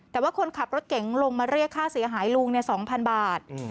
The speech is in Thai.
แต่ว่าคนขับรถเก๋งลงมาเรียกค่าเสียหายลุง๒๐๐๐บาท